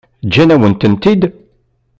Ǧǧan-awen-tent-id?